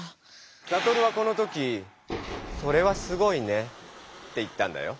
サトルはこの時「それはすごいね」って言ったんだよ。